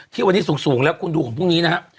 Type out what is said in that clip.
ที่วันนี้สูงแล้วคุณดูของพรุ่งนี้นะฮะ